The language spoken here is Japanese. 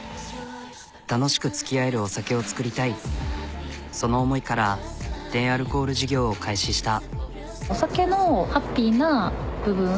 楽しくつきあえるお酒を作りたいその思いから低アルコール事業を開始した。